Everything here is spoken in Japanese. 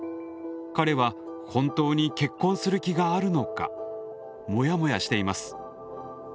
彼は本当に結婚する気があるのかモヤモヤしています。